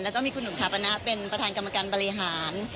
แล้วก็มีคุณหนุ่มถาปนะเป็นประธานกรรมการบริหาร